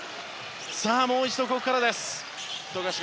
さあもう一度、ここからです。